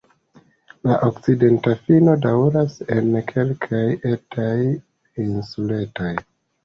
La okcidenta fino daŭras en kelkaj etaj insuletoj.